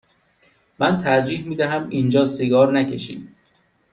من ترجیح می دهم اینجا سیگار نکشی.